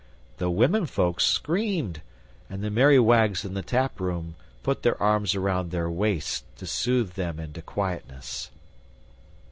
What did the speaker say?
The womenfolks screamed, and the merry wags in the taproom put their arms around their waists to soothe them into quietness.